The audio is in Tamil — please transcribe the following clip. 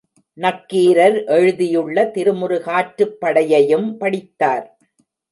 நக்கீரர் எழுதியுள்ள திருமுருகாற்றுப் படையையும் படித்தார்.